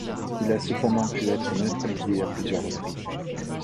Il a cependant pu être neutralisé à plusieurs reprises.